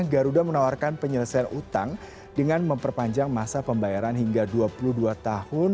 garuda menawarkan penyelesaian utang dengan memperpanjang masa pembayaran hingga dua puluh dua tahun